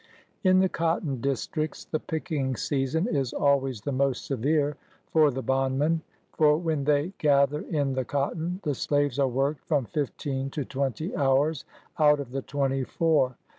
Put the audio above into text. Ix the cotton districts, the picking season is always the most severe for the bondman, for when thej gather in the cotton, the slaves are worked from fifteen to twenty hours out of the twenty four.